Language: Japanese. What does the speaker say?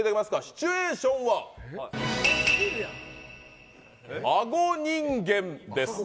シチュエーションは顎人間です。